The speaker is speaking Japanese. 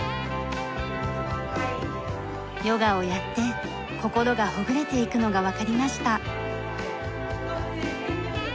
ヨガをやって心がほぐれていくのがわかりました。